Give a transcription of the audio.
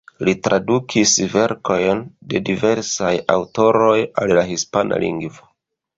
Li tradukis verkojn de diversaj aŭtoroj al la hispana lingvo.